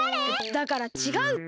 だからちがうって。